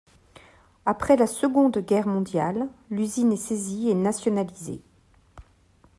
Après la Seconde Guerre mondiale, l'usine est saisie et nationalisée.